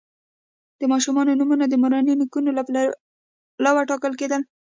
د ماشومانو نومونه د مورني نیکونو له پلوه ټاکل کیدل.